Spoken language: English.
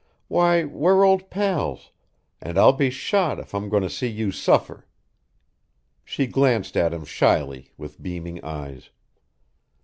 Why, we're old pals, and I'll be shot if I'm going to see you suffer." She glanced at him shyly, with beaming eyes.